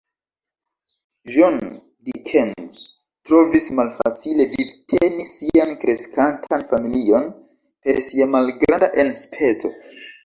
John Dickens trovis malfacile vivteni sian kreskantan familion per sia malgranda enspezo.